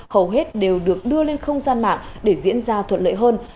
hầu hết đều được đưa lên không gian mạng để diễn ra thuận lợi hơn